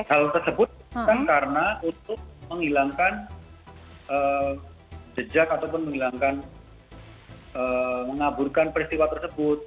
hal tersebut bukan karena untuk menghilangkan jejak ataupun menghilangkan mengaburkan peristiwa tersebut